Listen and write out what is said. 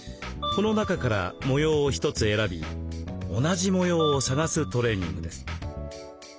この中から模様を一つ選び同じ模様を探すトレーニングです。